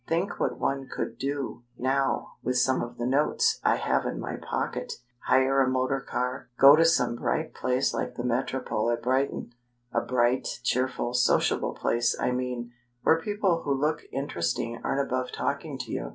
Think what one could do, now, with some of the notes I have in my pocket! Hire a motor car, go to some bright place like the Metropole at Brighton a bright, cheerful, sociable place, I mean, where people who look interesting aren't above talking to you.